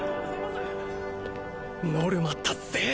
ノルマ達成！